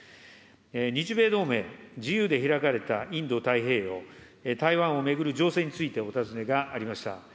日米同盟、自由で開かれたインド太平洋、台湾を巡る情勢についてお尋ねがありました。